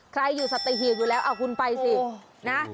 ใครอยู่สัตหีบอยู่แล้วเอาคุณไปสินะ